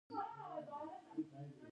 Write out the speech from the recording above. د موټرو سوداګري ډیره لویه ده